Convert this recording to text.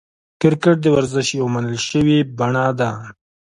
کرکټ د ورزش یوه منل سوې بڼه ده.